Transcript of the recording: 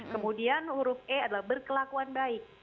kemudian huruf e adalah berkelakuan baik